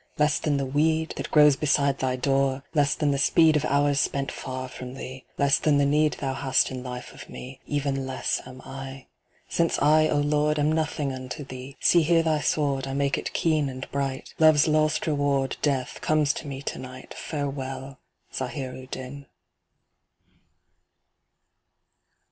Less than the weed, that grows beside thy door, Less than the speed of hours spent far from thee, Less than the need thou hast in life of me. Even less am I. Since I, O Lord, am nothing unto thee, See here thy Sword, I make it keen and bright, Love's last reward, Death, comes to me to night, Farewell, Zahir u din.